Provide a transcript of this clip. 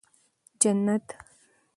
جنت